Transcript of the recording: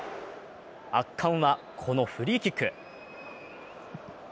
圧巻は、このフリーキック。